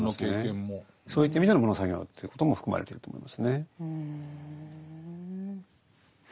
そういった意味での「喪の作業」ということも含まれてると思いますね。